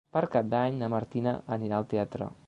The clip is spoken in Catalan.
Per Cap d'Any na Martina anirà al teatre.